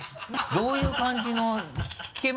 どういう感じの？